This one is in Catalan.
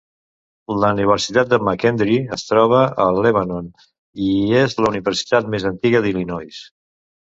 La Universitat de McKendree es troba a Lebanon, i és la universitat més antiga d'Illinois.